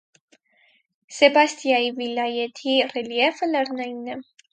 Սեբաստիայի վիլայեթի ռելիեֆը լեռնային է։